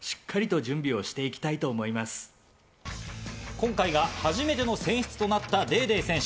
今回が初めての選出となったデーデー選手。